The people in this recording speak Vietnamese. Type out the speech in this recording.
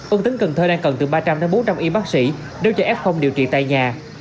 ông tính cần thơ đang cần từ ba trăm linh bốn trăm linh y bác sĩ nếu cho f điều trị tại nhà